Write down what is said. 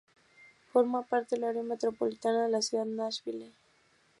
Forma parte del área metropolitana de la ciudad de Nashville.